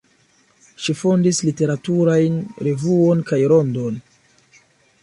Ŝi fondis literaturajn revuon kaj rondon.